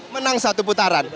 menang satu putaran